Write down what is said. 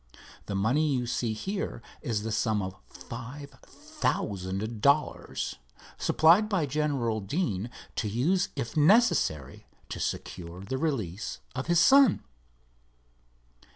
The money you see here is the sum of five thousand dollars, supplied by General Deane to use if necessary to secure the release of his son."